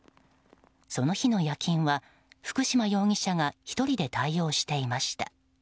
その日の夜勤は福島容疑者が１人で対応していました。